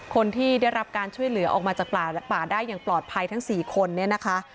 คนที่ได้รับการช่วยเหลือออกมาจากป่าได้อย่างปลอดภัยทั้ง๔คนเนี่ยนะคะ